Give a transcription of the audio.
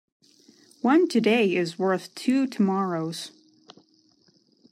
One today is worth two tomorrows.